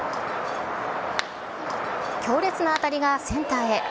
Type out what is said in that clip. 強烈な当たりがセンターへ。